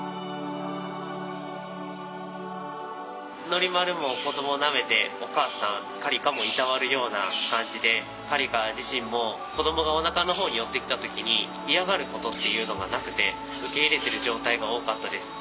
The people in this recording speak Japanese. ノリマルも子どもなめてお母さんカリカもいたわるような感じでカリカ自身も子どもがおなかの方に寄ってきた時に嫌がることっていうのがなくて受け入れてる状態が多かったです。